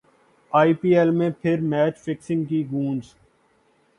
ائی P L میں پھر match fixing کی گونج